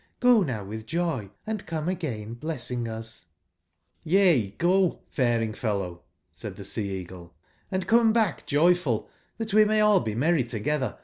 Go now witb joy, and come again blessing us" ji? ''Yea, go, fanng/fellow,'' said tbe Sea/eagle, "and come back joyful, tbat we may all be merry togetber.